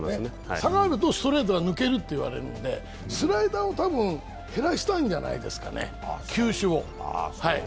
下がるとストレートが抜けると言われるのでスライダーを減らしたんじゃないですかね、球種を。